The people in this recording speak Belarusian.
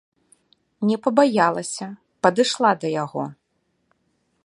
Не пабаялася, падышла да яго.